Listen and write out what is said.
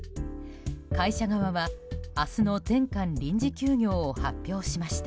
会社側は明日の全館臨時休業を発表しました。